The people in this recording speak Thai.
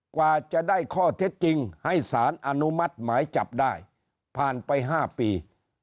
กว่าจะได้ข้อเท็จจริงให้สารอนุมัติหมายจับได้ผ่านไป๕ปี